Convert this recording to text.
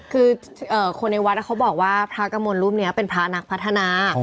คือคนในวัดเขาบอกว่าพระกระมวลรูปนี้เป็นพระนักพัฒนา